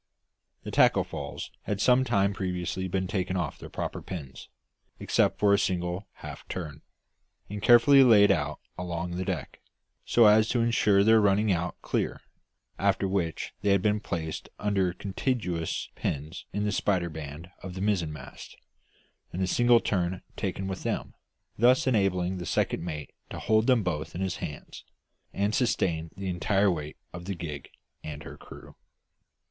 The tackle falls had some time previously been taken off their proper pins, except for a single half turn, and carefully laid out along the deck, so as to insure their running out clear, after which they had been placed under contiguous pins in the spider band of the mizzenmast, and a single turn taken with them, thus enabling the second mate to hold them both in his hands, and sustain the entire weight of the gig and her crew.